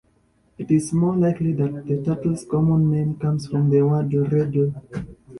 It is more likely that the turtle's common name comes from the word "riddle".